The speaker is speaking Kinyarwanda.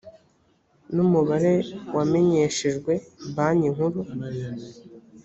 n umubare wamenyeshejwe banki nkuru